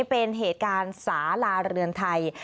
เป็นเหตุการณ์สาลาเรือนไทย